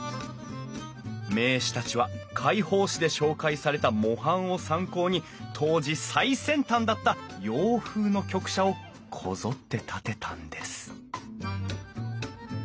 名士たちは会報誌で紹介された模範を参考に当時最先端だった洋風の局舎をこぞって建てたんです